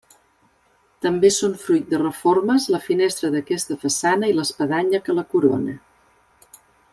També són fruit de reformes la finestra d'aquesta façana i l'espadanya que la corona.